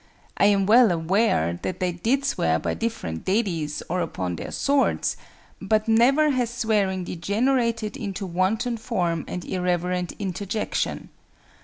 I am well aware that they did swear by different deities or upon their swords; but never has swearing degenerated into wanton form and irreverent interjection.